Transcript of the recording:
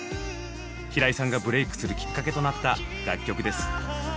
平井さんがブレイクするきっかけとなった楽曲です。